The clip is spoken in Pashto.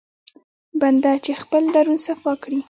بنده چې خپل درون صفا کړي.